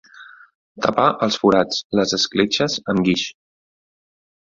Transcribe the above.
Tapar els forats, les escletxes, amb guix.